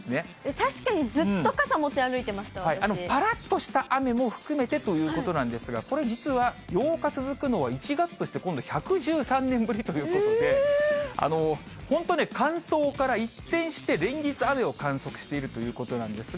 確かにずっと傘持ち歩いてまぱらっとした雨も含めてということなんですが、これ実は８日続くのは１月として今度１１３年ぶりということで、本当ね、乾燥から一転して連日雨を観測しているということなんですが。